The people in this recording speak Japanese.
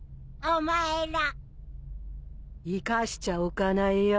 お前ら生かしちゃおかないよ。